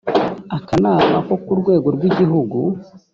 akanama ko ku rwego rw’igihugu